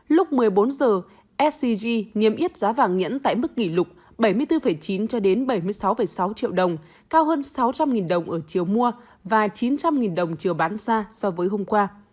lúc một mươi bốn h scg niêm yết giá vàng nhẫn tại mức kỷ lục bảy mươi bốn chín cho đến bảy mươi sáu sáu triệu đồng cao hơn sáu trăm linh đồng ở chiều mua và chín trăm linh đồng chiều bán ra so với hôm qua